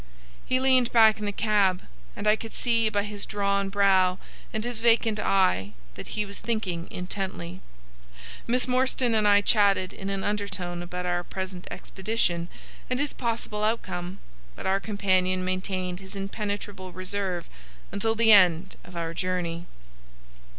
He leaned back in the cab, and I could see by his drawn brow and his vacant eye that he was thinking intently. Miss Morstan and I chatted in an undertone about our present expedition and its possible outcome, but our companion maintained his impenetrable reserve until the end of our journey.